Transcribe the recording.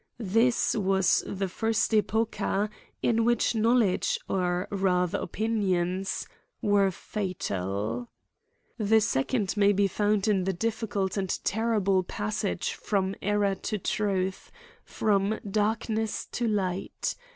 This was the first epocha, in which knowledge, or rather opinions, were fatal. The second may be found in the difficult and terrible passage from error Xo truth, from dark ness to light.